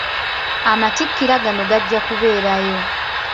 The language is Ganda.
Amatikkira gano gajja kubeerayo.